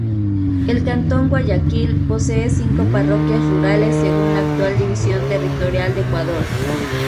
El cantón Guayaquil posee cinco parroquias rurales según la actual división territorial de Ecuador.